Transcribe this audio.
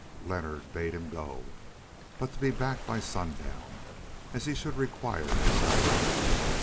Leonard bade him go, but to be back by sundown, as he should require his help.